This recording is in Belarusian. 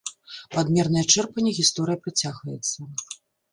Пад мернае чэрпанне гісторыя працягваецца.